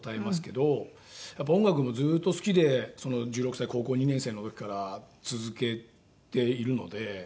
やっぱ音楽もずっと好きで１６歳高校２年生の時から続けているので。